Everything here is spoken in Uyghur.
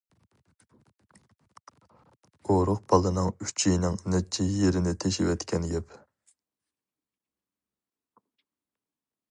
ئۇرۇق بالىنىڭ ئۈچىيىنىڭ نەچچە يېرىنى تېشىۋەتكەن گەپ.